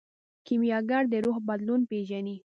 کیمیاګر د روح بدلون پیژني.